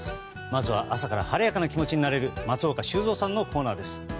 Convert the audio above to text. まずは朝から晴れやかな気持ちになれる松岡修造さんのコーナーです。